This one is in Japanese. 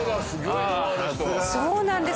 そうなんです。